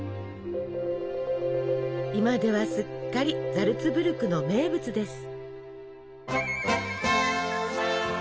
今ではすっかりザルツブルクの名物です。